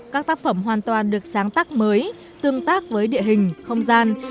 các tác phẩm hoàn toàn được sáng tác mới tương tác với địa hình không gian